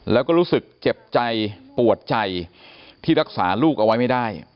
แล้วก็รู้สึกเจ็บใจปวดใจที่รักษาลูกเอาไว้ไม่ได้